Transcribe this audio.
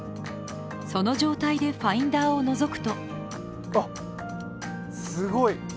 その状態でファインダーをのぞくとあっ、すごい！